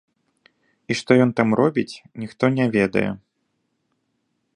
І што ён там робіць, ніхто не ведае.